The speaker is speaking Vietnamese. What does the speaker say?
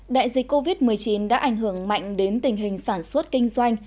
đại dịch covid một mươi chín đã ảnh hưởng mạnh đến tình hình sản xuất kinh doanh